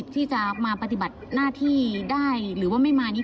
ที่จะมาปฏิบัติหน้าที่หรือไม่อย่างไร